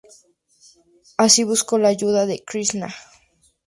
Así, buscó la ayuda de Krisna.